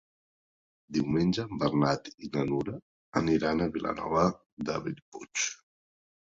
Diumenge en Bernat i na Nura aniran a Vilanova de Bellpuig.